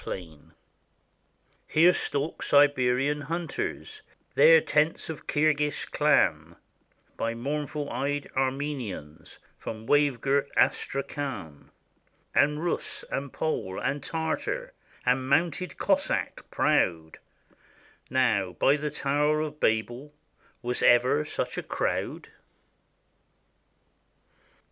248 THE FAIR OF NIJNI NOVGOROD Here stalk Siberian hunters; There tents a Kirghiz clan By mournful eyed Armenians From wave girt Astrakhan; And Russ and Pole and Tartar, And mounted Cossack proud, — Now, by the Tower of Babel, Was ever such a crowd